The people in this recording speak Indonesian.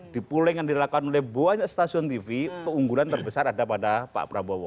di pooling yang dilakukan oleh banyak stasiun tv keunggulan terbesar ada pada pak prabowo